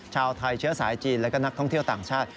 ชาวไทยเชื้อสายจีนและก็นักท่องเที่ยวต่างชาติ